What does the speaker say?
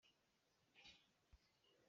Ritkuang in rit kan dawn.